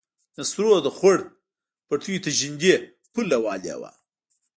نصرو د خوړ پټيو ته نږدې پوله وهلې وه.